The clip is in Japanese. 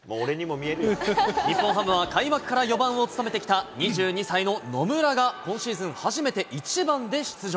日本ハムは開幕から４番を務めてきた２２歳の野村が今シーズン初めて１番で出場。